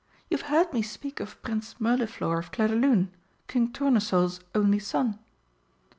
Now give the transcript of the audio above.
You've heard me speak of Prince Mirliflor of Clairdelune, King Tournesol's only son?"